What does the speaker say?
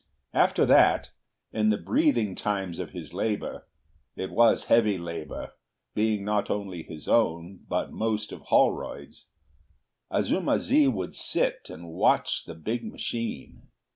After that, in the breathing times of his labour—it was heavy labour, being not only his own, but most of Holroyd's—Azuma zi would sit and watch the big machine.